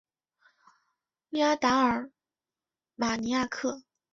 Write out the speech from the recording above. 利阿达尔马尼亚克。